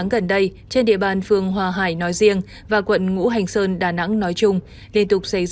vụ này trên địa bàn phường hòa hải nói riêng và quận ngũ hành sơn đà nẵng nói chung liên tục xảy